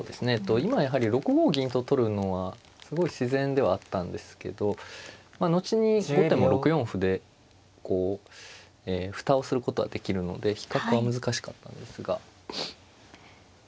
今やはり６五銀と取るのはすごい自然ではあったんですけど後に後手も６四歩でこう蓋をすることはできるので比較は難しかったんですが。